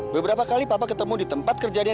beberapa kali papa ketemu di tempat kerjanya